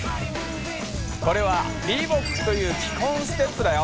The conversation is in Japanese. これはリーボックという基本ステップだよ。